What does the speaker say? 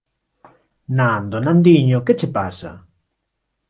_Nando, Nandiño, ¿que che pasa?